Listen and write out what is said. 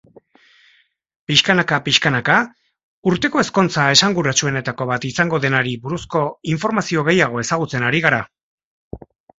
Pixkanaka-pixkanaka urteko ezkontza esanguratsuenetako bat izango denari buruzko informazio gehiago ezagutzen ari gara.